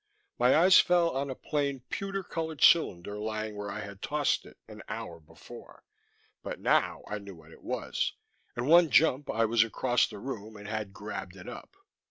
My eyes fell on a plain pewter colored cylinder lying where I had tossed it an hour before but now I knew what it was. In one jump I was across the room and had grabbed it up.